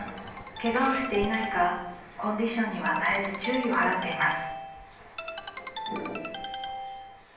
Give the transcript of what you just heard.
ケガをしていないかコンディションには絶えず注意を払っています。